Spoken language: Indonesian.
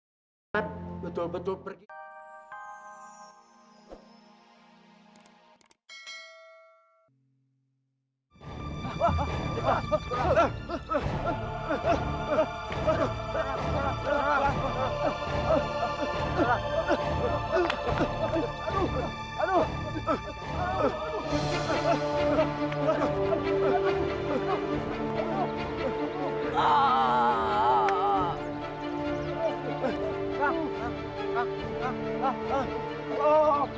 alhamdulillahirrahmanirrahim allahumma sbikrabbanatina fiddunnihasanah isfi'an tasayafi la sifauka layuqadiru shokom